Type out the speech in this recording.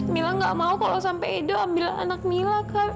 mila gak mau kalau sampai ido ambil anak mila kak